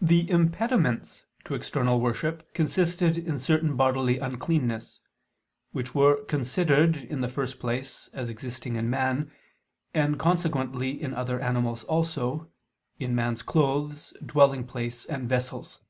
The impediments to external worship consisted in certain bodily uncleannesses; which were considered in the first place as existing in man, and consequently in other animals also, and in man's clothes, dwelling place, and vessels.